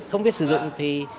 không biết sử dụng thì